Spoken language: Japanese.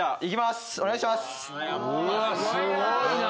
すごいな。